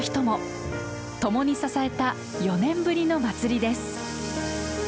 共に支えた４年ぶりの祭りです。